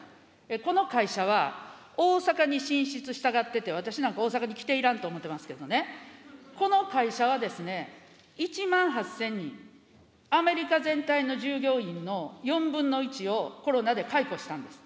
この会社は大阪に進出したがってて、私なんか大阪に来ていらんと思ってますけどね、この会社はですね、１万８０００人、アメリカ全体の従業員の４分の１をコロナで解雇したんです。